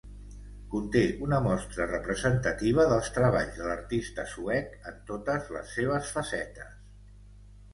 Conté una mostra representativa dels treballs de l'artista suec en totes les seves facetes.